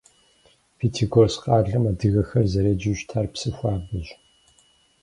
Пятигорск къалэм адыгэхэр зэреджэу щытар Псыхуабэщ.